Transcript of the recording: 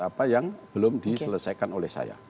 apa yang belum diselesaikan oleh saya